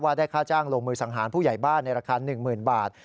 ได้ค่าจ้างลงมือสังหารผู้ใหญ่บ้านในราคา๑๐๐๐บาท